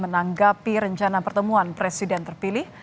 menanggapi rencana pertemuan presiden terpilih